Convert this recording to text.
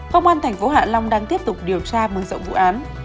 công an tp hạ long đang tiếp tục điều tra mừng rộng vụ án